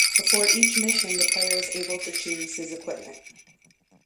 Before each mission the player is able to choose his equipment.